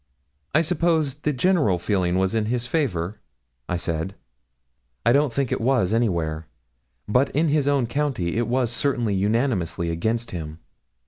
'I suppose the general feeling was in his favour?' I said. 'I don't think it was, anywhere; but in his own county it was certainly unanimously against him.